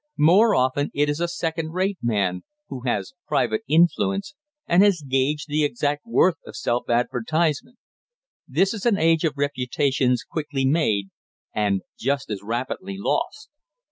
More often it is a second rate man, who has private influence, and has gauged the exact worth of self advertisement. This is an age of reputations quickly made, and just as rapidly lost.